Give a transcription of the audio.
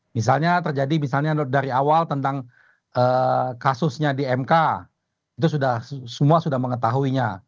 misalnya terjadi misalnya dari awal tentang kasusnya di mk itu sudah semua sudah mengetahuinya